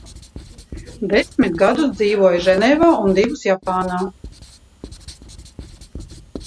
Desmit gadus dzīvoja Ženēvā un divus – Japānā.